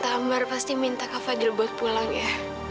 tante ambar pasti minta kak fadil buat pulang ya